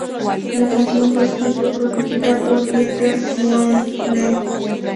La canción fue escrita y producida por Dieter Bohlen.